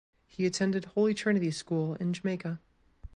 He attended Holy Trinity school in Jamaica.